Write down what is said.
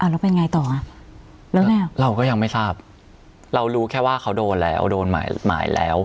แล้วเป็นไงต่ออ่ะแล้วเราก็ยังไม่ทราบเรารู้แค่ว่าเขาโดนแล้วโดนหมายแล้ว